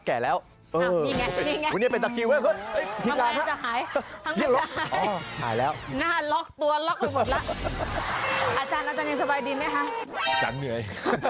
อาจารย์เหนื่อย